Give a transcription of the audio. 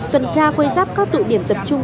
tuần tra quây giáp các tụi điểm tập trung